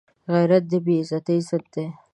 غیرت د بې عزتۍ ضد دی